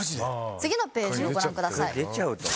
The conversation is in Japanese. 次のページをご覧ください。